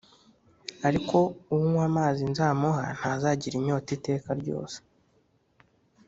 ariko unywa amazi nzamuha ntazagira inyota iteka ryose